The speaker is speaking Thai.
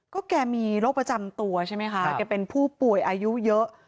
ก็แกมีโรคประจำตัวใช่ไหมคะแกเป็นผู้ป่วยอายุเยอะ